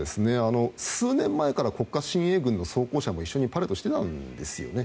数年前から国家親衛軍の装甲車も一緒にパレードしていたんですよね。